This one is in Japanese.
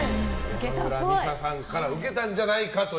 美紗さんから受けたんじゃないかと。